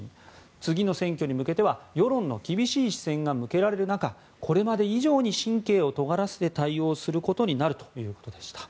次の選挙に向けては世論の厳しい視線が向けられる中これまで以上に神経をとがらせて対応することになるということでした。